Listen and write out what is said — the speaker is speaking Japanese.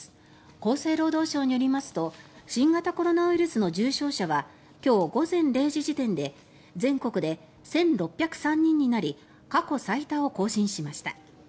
厚生労働省によりますと新型コロナウイルスの重症者は今日午前０時時点で全国で１６０３人になり過去最多を更新しました。